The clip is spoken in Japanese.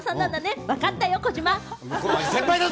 わかったよ、児嶋！